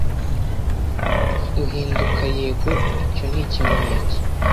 uhinduka yego icyo ni ikimenyetso